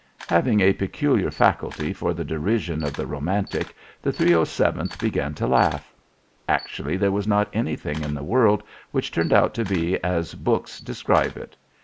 Having a peculiar faculty for the derision of the romantic, the 307th began to laugh. Actually there was not anything in the world which turned out to be as books describe it.